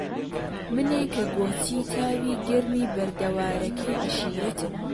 منێ کە گۆچی تاوی گەرمی بەردەوارەکەی عەشیرەتم